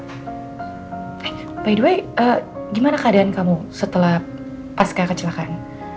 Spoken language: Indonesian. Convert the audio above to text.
eh by the way gimana keadaan kamu setelah pasca kecelakaan